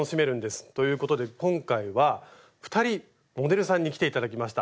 ということで今回は２人モデルさんに来て頂きました。